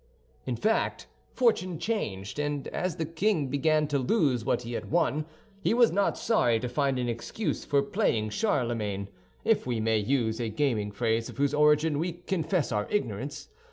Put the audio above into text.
In fact, fortune changed; and as the king began to lose what he had won, he was not sorry to find an excuse for playing Charlemagne—if we may use a gaming phrase of whose origin we confess our ignorance.